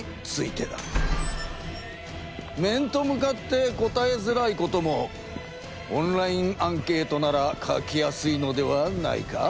面と向かって答えづらいこともオンラインアンケートなら書きやすいのではないか？